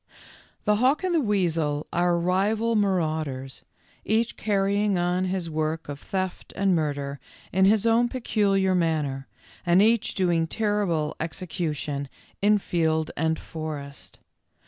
The hawk and the weasel are rival maraud ers, each carrying on his work of theft and murder in his own peculiar manner, and each doing terrible execution in field and forest.